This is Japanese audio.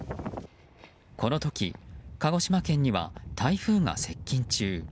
この時、鹿児島県には台風が接近中。